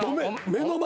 目の前！